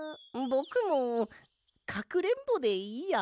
ぼくもかくれんぼでいいや。